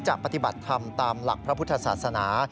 ปฏิบัติธรรมตามหลักพระพุทธศาสนา